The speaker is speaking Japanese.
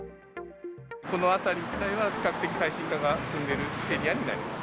この辺り一帯は、比較的耐震化が進んでいるエリアになります。